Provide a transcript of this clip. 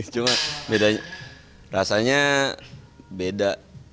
cuma bedanya rasanya beda